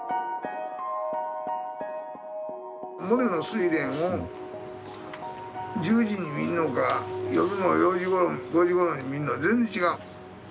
モネの「睡蓮」を１０時に見るのか夜の４時ごろ５時ごろに見るのは全然違う。